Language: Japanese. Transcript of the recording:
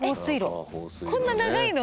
えっこんな長いの？